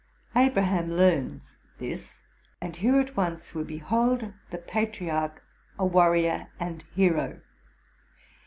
Abraham learns this, and here at once we behold the patriarch a warrior and hero.